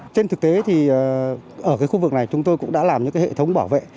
trên thực tế thì ở khu vực này chúng tôi cũng đã làm những hệ thống bảo vệ